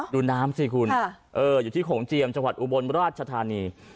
ดูน้ำสิคุณอยู่ที่โขงเจียมจังหวัดอุบลราชธานี